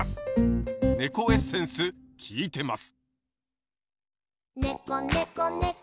ねこエッセンス効いてます！